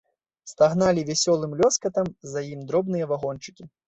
Стагналі вясёлым лёскатам за ім дробныя вагончыкі.